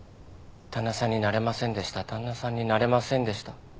旦那さんになれませんでした旦那さんになれませんでした。